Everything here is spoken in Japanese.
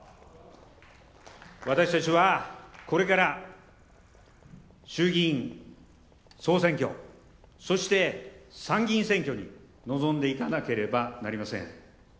私たちは、これから衆議院総選挙そして、参議院選挙に臨んでいかなければなりません。